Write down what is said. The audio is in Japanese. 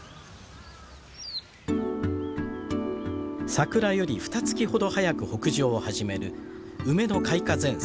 桜よりふた月ほど早く北上を始める梅の開花前線。